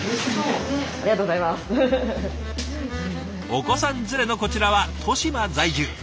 お子さん連れのこちらは利島在住。